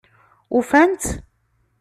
Ufan-tt?